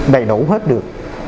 đầy đủ hết được